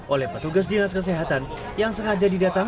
oleh petugas yang berpengalaman